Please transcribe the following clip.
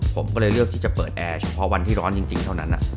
ผมก็เลยเลือกที่จะเปิดแอร์พอวันที่ร้อนจริงเท่านั้น